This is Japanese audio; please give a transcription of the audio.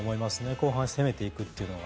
後半攻めていくというのが。